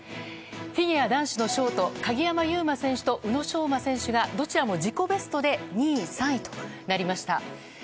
フィギュア男子のショート、鍵山優真選手と宇野昌磨選手が、どちらも自己ベストで２位、３位となりました。